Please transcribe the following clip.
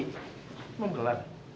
kamu mau bergelar